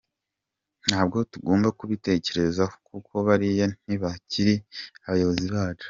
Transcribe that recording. Ntabwo tugomba kubitekerezaho kuko bariya ntibakiri abayobozi bacu.